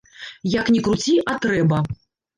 Як ні круці, а трэба.